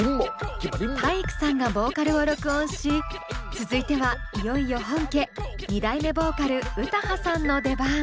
体育さんがボーカルを録音し続いてはいよいよ本家２代目ボーカル詩羽さんの出番。